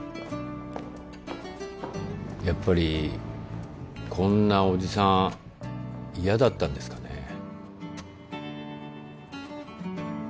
やっぱりこんなおじさん嫌だったんですかね